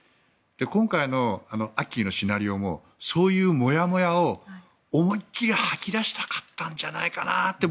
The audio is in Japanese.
今回の、アッキーのシナリオもそういう、もやもやを思いきり吐き出したかったんじゃないかなって